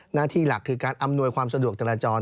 หน้าที่หลักคือการอำนวยความสะดวกจราจร